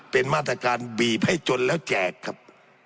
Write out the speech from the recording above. เป็นมาตรการบีบให้จนแล้วแจกครับ